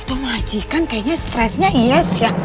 itu majikan kayaknya stressnya yes ya